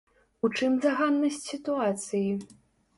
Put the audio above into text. У чым заганнасць сітуацыі?